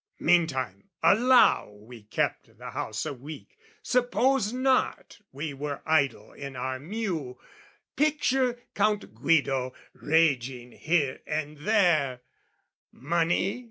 Meantime, allow we kept the house a week, Suppose not we were idle in our mew: Picture Count Guido raging here and there "'Money?'